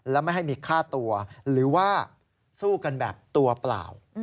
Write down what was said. และไม่ให้มีค่าตัวหรือว่าสู้กันแบบตัวเปล่า